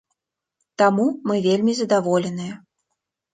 Таму мы вельмі задаволеныя.